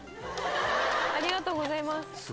ありがとうございます。